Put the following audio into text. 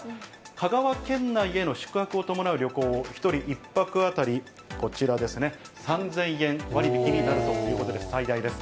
香川県内への宿泊を伴う旅行を１人１泊当たりこちらですね、３０００円割引になるということです、最大です。